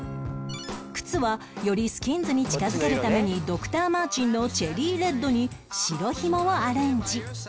靴はよりスキンズに近づけるために Ｄｒ．Ｍａｒｔｅｎｓ のチェリーレッドに白ひもをアレンジ